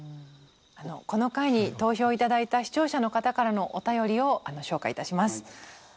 この回に投票頂いた視聴者の方からのお便りを紹介いたします。